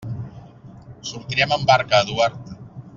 Sortirem amb barca, Eduard.